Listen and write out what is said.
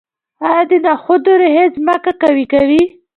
آیا د نخودو ریښې ځمکه قوي کوي؟